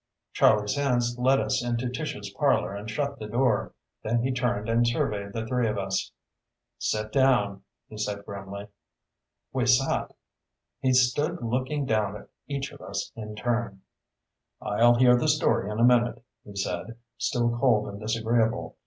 Charlie Sands led us into Tish's parlor and shut the door. Then he turned and surveyed the three of us. "Sit down," he said grimly. We sat. He stood looking down at each of us in turn. "I'll hear the story in a minute," he said, still cold and disagreeable.